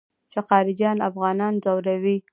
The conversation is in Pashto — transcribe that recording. چې خارجيان افغانان ځوروي.